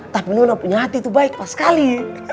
tapi nona punya hati itu baik pas sekali